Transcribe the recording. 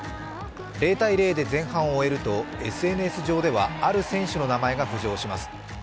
０−０で前半を終えると、ＳＮＳ上ではある選手の名前が浮上します。